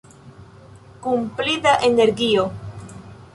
Kun pli da energio!